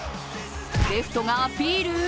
レフトがアピール？